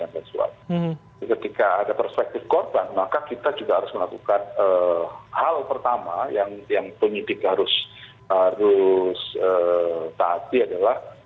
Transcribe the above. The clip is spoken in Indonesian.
ketika ada perspektif korban maka kita juga harus melakukan hal pertama yang penyidik harus taati adalah